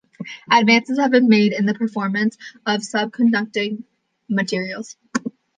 Advances have been made in the performance of superconducting materials.